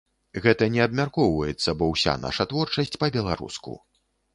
Гэта не абмяркоўваецца, бо ўся наша творчасць па-беларуску.